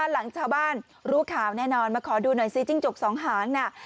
หลังชาวบ้านรู้ข่าวแน่นอนมาขอดูหน่อยซิจิ้งจกสองหางน่ะ